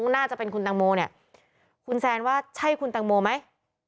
น่าจะเป็นคุณตังโมเนี่ยคุณแซนว่าใช่คุณตังโมไหม